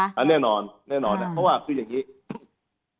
อันนี้แน่นอนแน่นอนเพราะว่าคืออย่างนี้